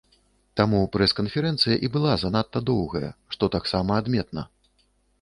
Таму прэс-канферэнцыя і была занадта доўгая, што таксама адметна.